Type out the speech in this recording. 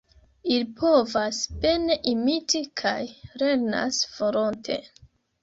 Ili povas bene imiti, kaj lernas volonte.